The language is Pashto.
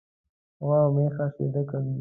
غوا او میږه شيدي کوي.